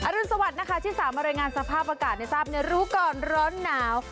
รุนสวัสดิ์นะคะที่สามารถรายงานสภาพอากาศให้ทราบในรู้ก่อนร้อนหนาว